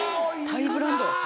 ハイブランド。